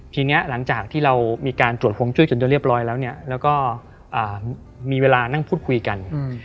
ทีนี้หลังจากที่เรามีการตรวจฮวงจุ้ยจนจะเรียบร้อยแล้วเนี่ยแล้วก็มีเวลานั่งพูดคุยกัน